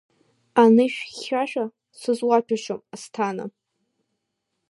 Анышә хьшәашәа сызуаҭәашьом, Асҭана.